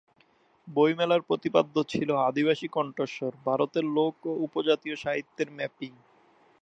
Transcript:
বইমেলার প্রতিপাদ্য ছিল 'আদিবাসী কণ্ঠস্বর: ভারতের লোক ও উপজাতীয় সাহিত্যের ম্যাপিং'।